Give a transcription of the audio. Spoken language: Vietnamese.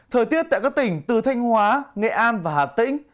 thời tiết tại các tỉnh từ thanh hóa nghệ an và hà tĩnh